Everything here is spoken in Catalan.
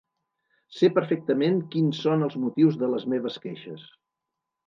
Sé perfectament quins són els motius de les meves queixes.